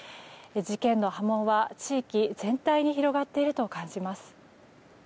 事件の波紋は地域全体に広がっていると感じます。